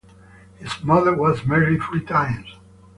His mother was married three times.